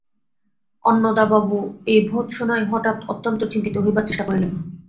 অন্নদাবাবু এই ভর্ৎসনায় হঠাৎ অত্যন্ত চিন্তিত হইবার চেষ্টা করিলেন।